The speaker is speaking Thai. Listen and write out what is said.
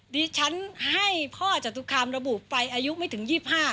ดิฉันให้พ่อจตุคามระบุไปอายุไม่ถึง๒๕